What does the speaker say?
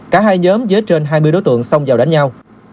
cả hai nhóm dế trên hai mươi đối tượng xong vào đánh nhau